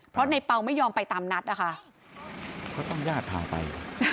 เพราะในเปล่าไม่ยอมไปตามนัดนะคะก็ต้องญาติพาไป